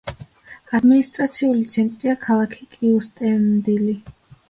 ადმინისტრაციული ცენტრია ქალაქი კიუსტენდილი.